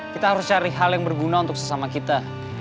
kita harus cari hal yang berguna untuk sesama kita